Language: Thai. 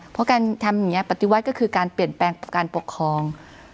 เพราะการทำอย่างนี้ปฏิวัติก็คือการเปลี่ยนแปลงการปกครอง